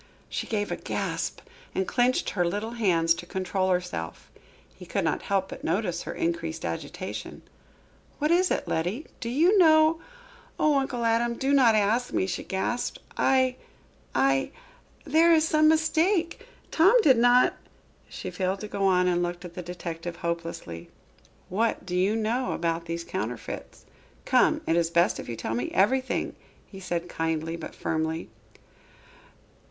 She gave a gasp and clenched her little hands to control herself. He could not help but notice her increased agitation. "What is it, Letty? Do you know " "Oh, Uncle Adam, do not ask me," she gasped. "I I there is some mistake Tom did not " she failed to go on and looked at the detective hopelessly. "What do you know about these counterfeits? Come, it is best that you tell me everything," he continued kindly, but firmly.